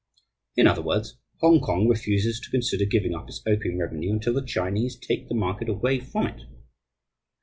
In other words, Hongkong refuses to consider giving up its opium revenue until the Chinese take the market away from it.